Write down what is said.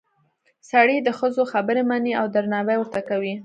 سړي د ښځو خبرې مني او درناوی ورته کوي